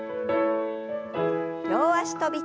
両脚跳び。